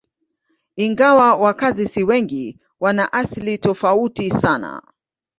Ingawa wakazi si wengi, wana asili tofauti sana.